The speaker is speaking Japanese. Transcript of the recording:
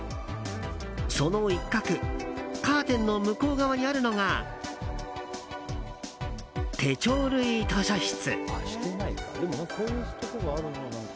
その一角カーテンの向こう側にあるのが手帳類図書室。